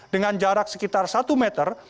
dengan jarak sekitar satu meter